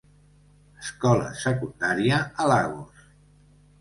Escola secundària, a Lagos.